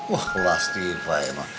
wah plastifah emang